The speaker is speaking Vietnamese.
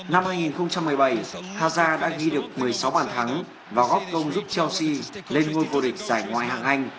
năm hai nghìn một mươi bảy aja đã ghi được một mươi sáu bản thắng và góp công giúp chelsea lên ngôi vô địch giải ngoài hàng anh